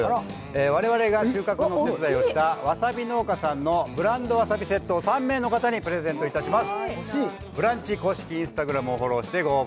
我々が収穫したわさび農家さんのブランドわさびセットを３名の方にプレゼントいたします。